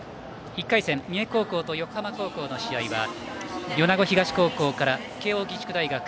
１回戦、三重高校と横浜高校の試合は米子東高校から慶応義塾大学。